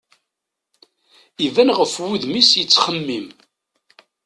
Iban ɣef wudem-is yettxemmim.